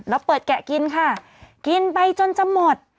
แล้วเปิดแกะกินค่ะกินไปจนจะหมด